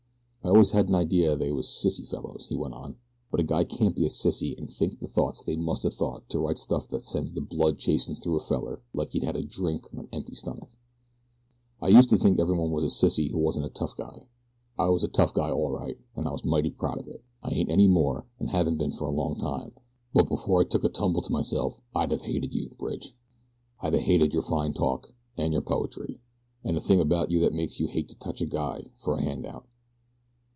"I always had an idea they was sissy fellows," he went on; "but a guy can't be a sissy an' think the thoughts they musta thought to write stuff that sends the blood chasin' through a feller like he'd had a drink on an empty stomach. "I used to think everybody was a sissy who wasn't a tough guy. I was a tough guy all right, an' I was mighty proud of it. I ain't any more an' haven't been for a long time; but before I took a tumble to myself I'd have hated you, Bridge. I'd a hated your fine talk, an' your poetry, an' the thing about you that makes you hate to touch a guy for a hand out.